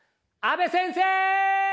阿部先生！